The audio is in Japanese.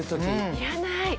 いらない。